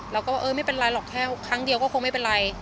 เราก็ว่าเออไม่เป็นไรหรอกแค่ครั้งเดียวก็คงไม่เป็นไร